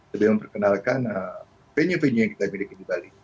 lebih memperkenalkan venue venue yang kita miliki di bali